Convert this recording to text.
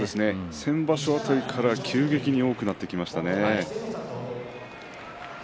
先場所辺りから急激に多くなってきましたね。